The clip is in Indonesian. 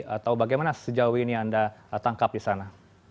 atau bagaimana sejauh ini anda tangkap di sana